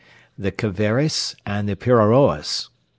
the Caveres, and the Piraoas.